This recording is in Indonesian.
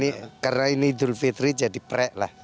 ya karena ini idul fitri jadi pre lah